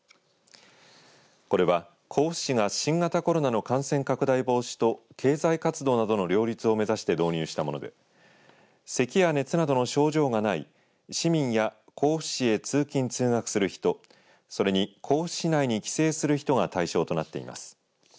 これは甲府市が新型コロナの感染拡大防止と経済活動などの両立を目指して導入したものでせきや熱などの症状がない市民や甲府市へ通勤通学する人それに甲府市内に帰省する人が対象となっています。